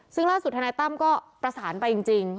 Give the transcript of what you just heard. ซึ่งล่าสุดธนายตั้มก็ประสานไปจริง